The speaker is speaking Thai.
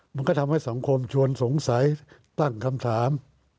มันก็ทำให้สังคมชวนสงสัยตั้งคำถาม